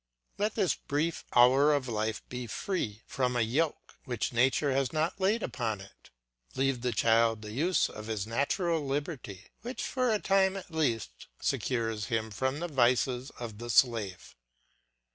Let this brief hour of life be free from a yoke which nature has not laid upon it; leave the child the use of his natural liberty, which, for a time at least, secures him from the vices of the slave.